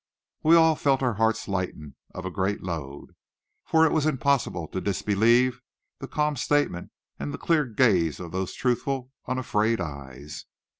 We all felt our hearts lightened of a great load, for it was impossible to disbelieve that calm statement and the clear gaze of those truthful, unafraid eyes.